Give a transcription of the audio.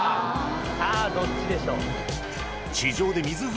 さぁどっちでしょう。